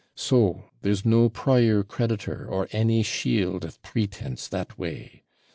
So there's no prior creditor, or any shield of pretence that way.